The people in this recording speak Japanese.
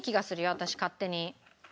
私勝手に。